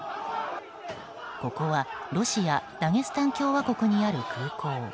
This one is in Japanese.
ここはロシア・ダゲスタン共和国にある空港。